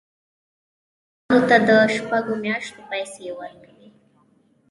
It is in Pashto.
هغه کارګرانو ته د شپږو میاشتو پیسې ورکوي